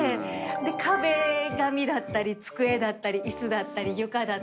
壁紙だったり机だったり椅子だったり床だったりで。